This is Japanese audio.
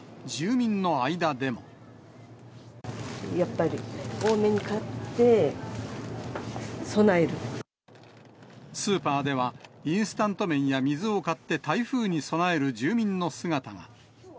やっぱり多めに買って、スーパーでは、インスタント麺や水を買って、台風に備える住民の姿が。